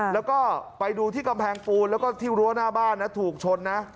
แล้วก็ไปดูที่กำแพงปูนแล้วก็ที่รั้วหน้าบ้านนะถูกชนนะ